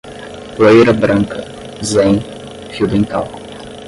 poeira branca, zen, fio dental